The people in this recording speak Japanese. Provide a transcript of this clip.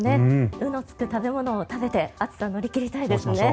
うのつく食べ物を食べて暑さを乗り切りたいですよね。